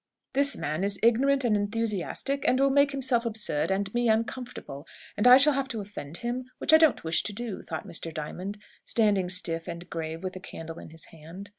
"This man is ignorant and enthusiastic, and will make himself absurd and me uncomfortable, and I shall have to offend him, which I don't wish to do," thought Mr. Diamond, standing stiff and grave with the candle in his hand.